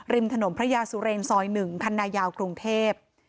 ริมถนนพระยาสุเรนซอยหนึ่งคันนายาวกรุงเทพฯ